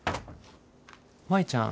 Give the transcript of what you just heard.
舞ちゃん？